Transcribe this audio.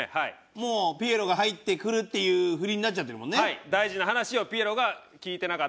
もうピエロが入ってくるっていう振りになっちゃってるもんね。